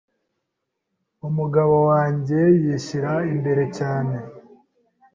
Umugabo wanjye, yishyira imbere cyane